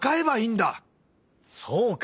そうか。